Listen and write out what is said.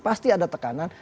pasti ada tekanan